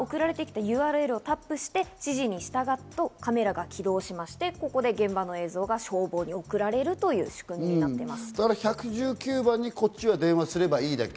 通報者は送られてきたＵＲＬをタップして指示に従うとカメラが起動しまして、現場の映像が消防に送られるという仕組みです。